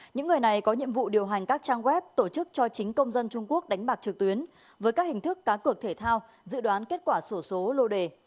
những người này có nhiệm vụ điều hành các trang web tổ chức cho chính công dân trung quốc đánh bạc trực tuyến với các hình thức cá cược thể thao dự đoán kết quả sổ số lô đề